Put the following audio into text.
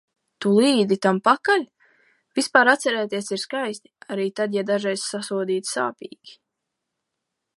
Tu līdi tam pakaļ? Vispār atcerēties ir skaisti. Arī tad, ja dažreiz sasodīti sāpīgi.